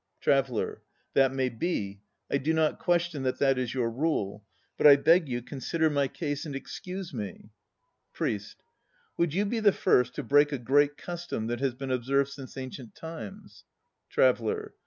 TRAVELLER. That may be. I do not question that that is your rule. But I beg you, consider my case and excuse me. PRIEST. Would you be the first to break a Great Custom that has been observed since ancient times? TRAVELLER.